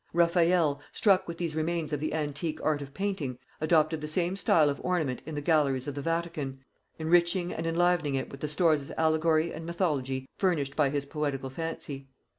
Raffaelle, struck with these remains of the antique art of painting, adopted the same style of ornament in the galleries of the Vatican, enriching and enlivening it with the stores of allegory and mythology furnished by his poetical fancy.